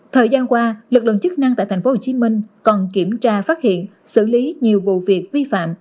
thời gian qua lực lượng chức năng tại tp hcm còn kiểm tra phát hiện xử lý nhiều vụ việc vi phạm